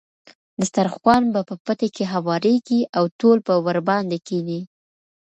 دسترخوان به په پټي کې هوارېږي او ټول به ورباندې کېني.